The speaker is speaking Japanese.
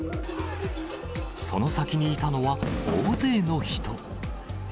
その先にいたのは、大勢の人。